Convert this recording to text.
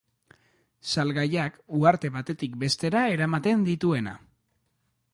Salgaiak uharte batetik bestera eramaten dituena.